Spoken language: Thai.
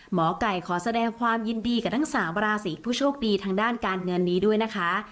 หมอไก่ขอแสดงความยินดีกับทั้ง๓ราศีผู้โชคดีทางด้านการเงินนี้ด้วยนะคะ